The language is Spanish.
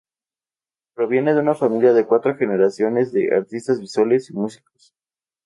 Proviene de una familia de cuatro generaciones de artistas visuales y músicos.